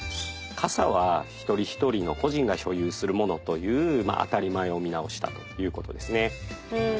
傘は一人一人の個人が所有する物という当たり前を見直したということですね。